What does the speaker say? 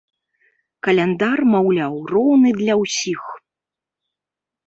Каляндар, маўляў, роўны для ўсіх.